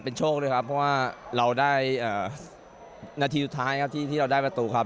โชคด้วยครับเพราะว่าเราได้นาทีสุดท้ายครับที่เราได้ประตูครับ